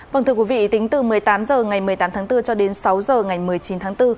vâng thưa quý vị tính từ một mươi tám h ngày một mươi tám tháng bốn cho đến sáu h ngày một mươi chín tháng bốn